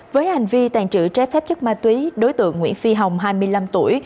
với hành vi tàn trữ trái phép chất ma túy đối tượng nguyễn phi hồng hai mươi năm tuổi